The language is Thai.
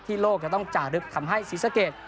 ที่โลกจะต้องจ่าลึกทำให้สีสะเกด